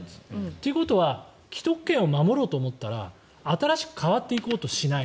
ということは既得権を守ろうと思ったら新しく変わっていこうとしない。